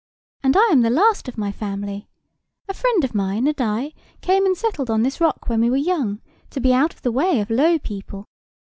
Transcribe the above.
And I am the last of my family. A friend of mine and I came and settled on this rock when we were young, to be out of the way of low people.